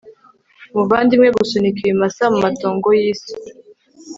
Muvandimwe gusunika ibimasa mumatongo yisi